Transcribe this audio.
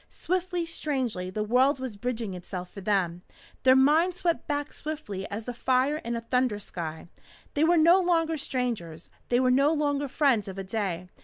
Swiftly, strangely, the world was bridging itself for them. Their minds swept back swiftly as the fire in a thunder sky. They were no longer strangers. They were no longer friends of a day.